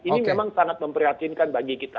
ini memang sangat memprihatinkan bagi kita